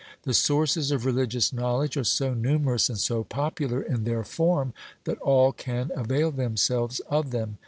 The sources of religious knowledge are so numerous, and so popular in their form, that all can avail themselves of them.